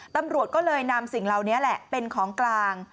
ตำรวจก็เลยนำสิ่งเหล่านี้แหละเป็นของกลาง